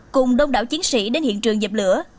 cùng đông đảo chiến sĩ đến hiện trường dập lửa